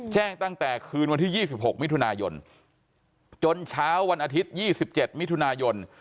ตั้งแต่คืนวันที่๒๖มิถุนายนจนเช้าวันอาทิตย์๒๗มิถุนายน